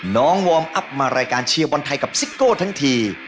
วอร์มอัพมารายการเชียร์บอลไทยกับซิโก้ทั้งที